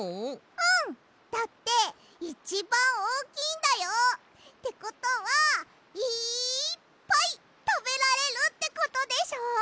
うん！だっていちばんおおきいんだよ！ってことはいっぱいたべられるってことでしょ！